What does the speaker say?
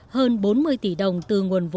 hơn bốn mươi tỷ đồng từ nguồn vụ